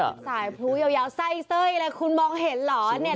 มันเป็นสายผู้เยาวไส้เส้ยอะไรคุณมองเห็นหรอเนี่ย